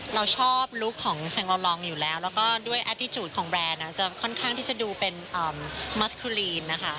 เราชอบลุคของแซงอลองอยู่แล้วแล้วก็ด้วยแอดดิจูดของแบรนด์จะค่อนข้างที่จะดูเป็นมัสคูลีนนะคะ